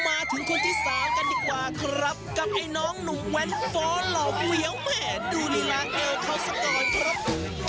มาถึงคนที่สามกันดีกว่าครับกับไอ้น้องหนุ่มแว้นฟ้อนเหล่าเหวียวแหมดูลีลาเอวเขาสักก่อนครับ